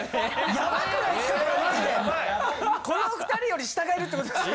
・ヤバい・この２人より下がいるってことですよ。